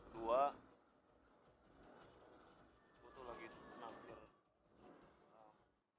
dua gue tuh lagi senang